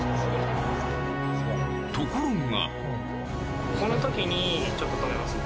ところが。